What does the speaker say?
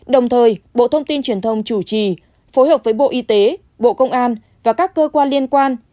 đồng thời bộ thông tin truyền thông chủ trì phối hợp với bộ y tế bộ công an và các cơ quan liên quan